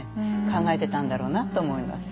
考えてたんだろうなと思います。